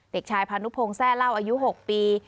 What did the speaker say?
เด็กชายพานุพงศ์แซ่เล่าอายุ๖ปี